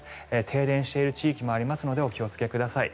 停電している地域もありますのでお気をつけください。